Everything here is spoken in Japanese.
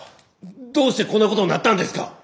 どうしてこんなことになったんですか！